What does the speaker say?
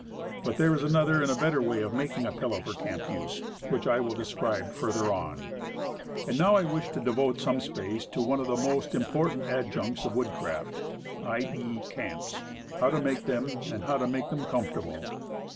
But, there is another and better way of making a pillow for camp use, which I will describe further on. And now I wish to devote some space to one of the most important adjuncts of woodcraft, i. e., camps; how to make them, and how to make them com fortable.